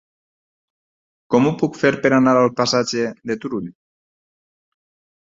Com ho puc fer per anar al passatge de Turull?